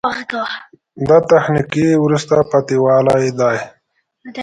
دا تخنیکي وروسته پاتې والی ده.